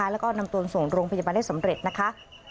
แล้วก็นำตัวส่งลงไปประจำนั้นได้สำเร็จนะคะ